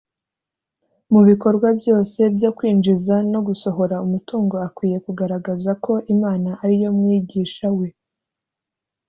mu bikorwa byose byo kwinjiza no gusohora umutungo akwiye kugaragaza ko imana ari yo mwigisha we